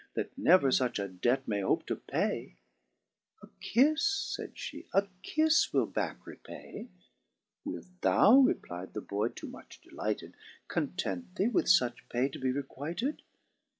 That never fuch a debt may hope to pay." « A kiffe," (fayd flie) " a kiffe wUl back repay/' " Wilt thou" (reply'd the boy, too much delighted,) " Content thee with fuch pay to be requited